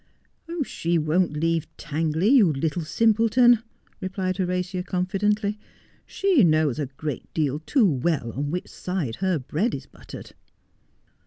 ' She won't leave Tangley, you little simpleton,' replied Horatia confidently. 'She knows a great deal too well on which side her bread is buttered.'